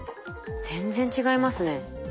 全然違いますね。